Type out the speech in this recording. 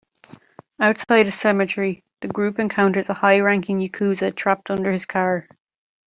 Outside a cemetery, the group encounters a high-ranking yakuza trapped under his car.